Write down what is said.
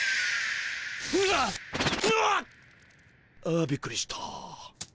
あびっくりした。